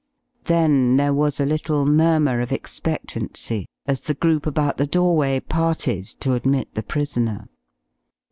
Then there was a little murmur of expectancy, as the group about the doorway parted to admit the prisoner.